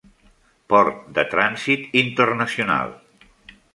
Port de trànsit internacional.